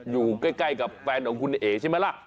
อยู่ใกล้กับแฟนของคุณเอ๋ใช่ไหมล่ะ